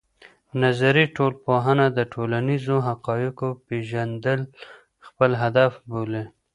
نظري ټولنپوهنه د ټولنیزو حقایقو پېژندل خپل هدف بولي.